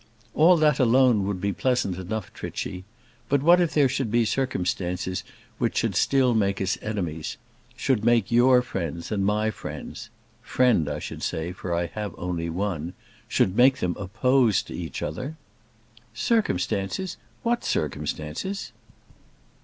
"All that alone would be pleasant enough, Trichy. But what if there should be circumstances which should still make us enemies; should make your friends and my friends friend, I should say, for I have only one should make them opposed to each other?" "Circumstances! What circumstances?"